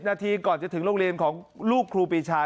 นาทีก่อนจะถึงโรงเรียนของลูกครูปีชา